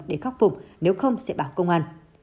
để khắc phục nếu không sẽ bảo công an